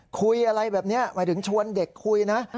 คุยอะไรแบบนี้หมายถึงชวนเด็กคุยนะ